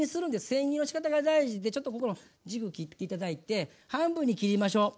せん切りの仕方が大事でちょっとここの軸切って頂いて半分に切りましょう。